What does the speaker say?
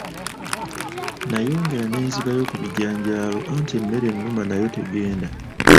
Nayongera ne nzibayo ku bijanjaalo, anti emmere ennuma nayo tegenda.